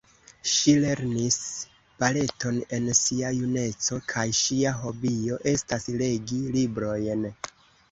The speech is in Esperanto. Ŝi lernis baleton en sia juneco kaj ŝia hobio estas legi librojn.